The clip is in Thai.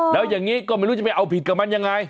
แล้วอย่างนี้ก็ไม่รู้จะไปเอาผิดกับมันยังไง